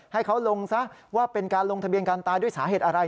ให้เขาลงซะว่าเป็นการลงทะเบียนการตายด้วยสาเหตุอะไร